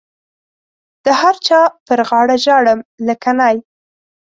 د هر چا پر غاړه ژاړم لکه نی.